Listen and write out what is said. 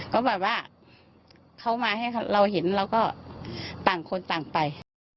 ก็แบบว่าเขามาให้เราเห็นเราก็ต่างคนต่างไป